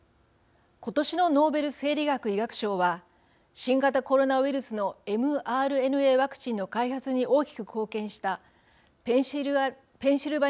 今年のノーベル生理学・医学賞は新型コロナウイルスのｍＲＮＡワクチンの開発に大きく貢献したペンシルべ